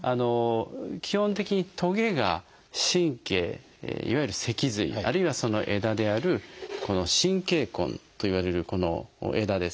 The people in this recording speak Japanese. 基本的にトゲが神経いわゆる脊髄あるいはその枝であるこの神経根といわれるこの枝ですね